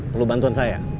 perlu bantuan saya